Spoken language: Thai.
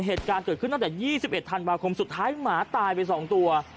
เหตุการณ์เกิดขึ้นตั้งแต่๒๑ธันวาคมสุดท้ายหมาตายไป๒ตัว